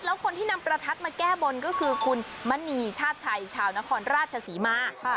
แล้วคนที่นำประทัดมาแก้บนก็คือคุณมณีชาติชัยชาวนครราชศรีมา